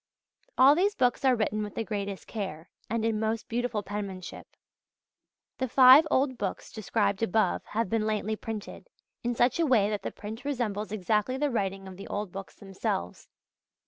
All these books are written with the greatest care, and in most beautiful penmanship. The five old books described above have been lately printed, in such a way that the print resembles exactly the writing of the old books themselves.